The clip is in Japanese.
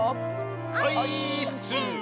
オイーッス！